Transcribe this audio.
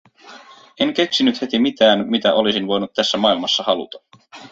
En keksinyt heti mitään, mitä olisin voinut tässä maailmassa haluta.